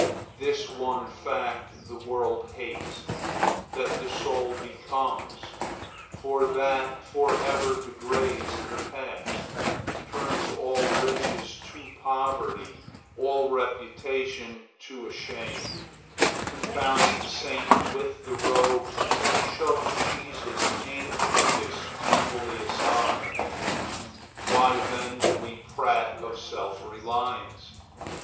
This one fact the world hates; that the soul becomes; for that for ever degrades the past, turns all riches to poverty, all reputation to a shame, confounds the saint with the rogue, shoves Jesus and Judas equally aside. Why then do we prate of self reliance?